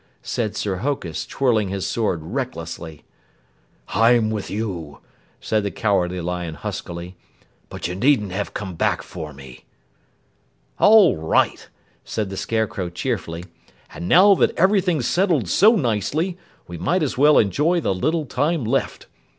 said Sir Hokus, twirling his sword recklessly. "I'm with you," said the Cowardly Lion huskily, "but you needn't have come back for me." "All right!" said the Scarecrow cheerfully. "And now that everything's settled so nicely, we might as well enjoy the little time left.